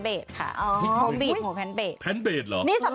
โปรตีนจากผืดที่ไม่ใช่เนื้อสัตว์